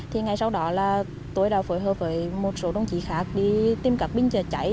thì ngay sau đó là tôi đã phối hợp với một số đồng chí khác đi tìm các bình chữa cháy